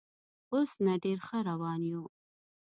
اوس نه، ډېر ښه روان یو.